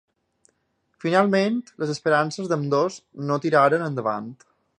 Finalment, les esperances d'ambdós no tiraren endavant.